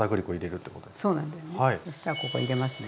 そしたらここ入れますね。